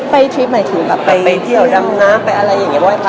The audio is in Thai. ไปเที่ยวดำเนาะไปอะไรอย่างนี้บ้างค่ะ